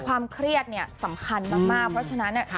ความเครียดเนี่ยสำคัญมากเพราะฉะนั้นเนี่ย